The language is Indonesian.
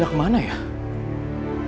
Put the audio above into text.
jangan kalau pergi ab